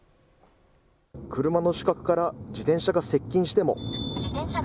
車の死角から自転車が接近しても。